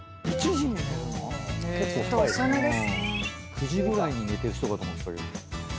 ９時ぐらいに寝てる人かと思ってたけど。